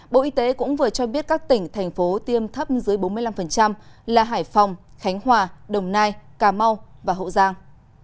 bộ y tế cũng vừa cho biết các tỉnh thành phố tiêm thấp dưới bốn mươi năm là hải phòng khánh hòa đồng nai cà mau và hậu giang